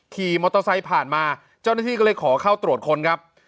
ขี่มอเตอร์ไซค์ผ่านมาเจ้าหน้าที่ก็เลยขอเข้าตรวจค้นครับ